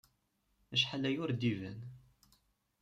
Acḥal aya ur d-iban.